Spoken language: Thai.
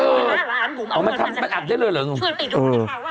เออเอามาทำมันอัดได้เลยเหรอ